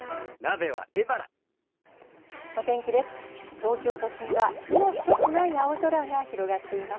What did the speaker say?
東京都心は雲一つない青空が広がっています。